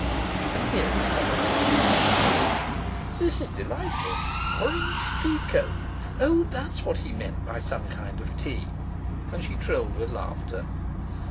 And here is some of his music too; this is delightful. Orange Pekoe O, that's what he meant by some kind of tea.' And she trilled with laughter.